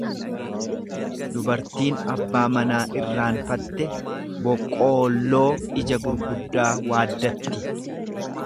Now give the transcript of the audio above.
Dubartiin abbaa manaa irraanfatte boqqoolloo ija gurguddaa waaddatti.